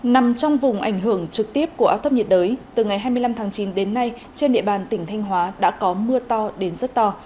nằm trong vùng ảnh hưởng trực tiếp của áp thấp nhiệt đới từ ngày hai mươi năm tháng chín đến nay trên địa bàn tỉnh thanh hóa đã có mưa to đến rất to